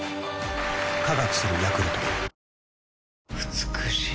美しい。